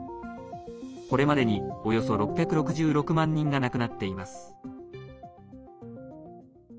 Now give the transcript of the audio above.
これまでに、およそ６６６万人が亡くなっています。